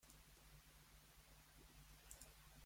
Su cabecera es, desde entonces, Apodaca.